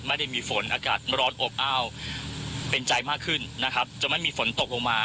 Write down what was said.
ไม่มีฝนอากาศร้อนอบอ้าวเป็นใจมากขึ้นนะครับจะไม่มีฝนตกลงมา